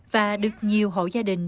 và được nhiều hộ gia đình